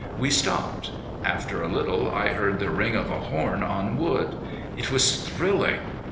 We stopped. After a little I heard the ring of a horn on wood. It was thrilling.